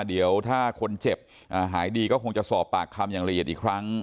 เดี๋ยวถ้าคนเจ็บหายดีก็คงจะสอบปากคำอย่างละเอียดอีกครั้ง